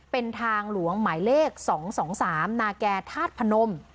เป็นทางหลวงหมายเลข๒๒๓นาแก่ธาตุพนม